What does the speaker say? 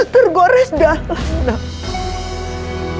tergores dalam nama